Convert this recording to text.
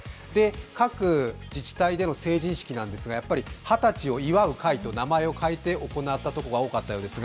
各自治体での成人式なんですが、やっぱり二十歳を祝う会と名前を変えて行ったところが多かったようですが